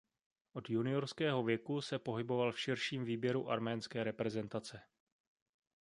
Od juniorského věku se pohyboval v širším výběru arménské reprezentace.